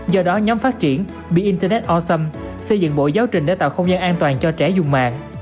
do đó nhóm phát triển bị internet osom xây dựng bộ giáo trình để tạo không gian an toàn cho trẻ dùng mạng